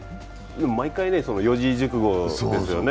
毎回、四字熟語ですよね。